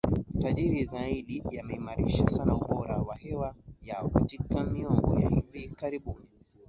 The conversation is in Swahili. tajiri zaidi yameimarisha sana ubora wa hewa yao katika miongo ya hivi karibuni